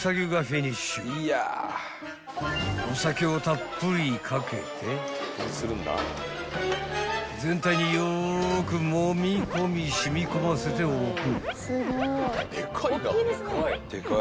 ［お酒をたっぷり掛けて全体によくもみ込み染み込ませておく］